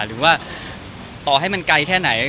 หรือว่าต่อให้มันไกลแค่ไหน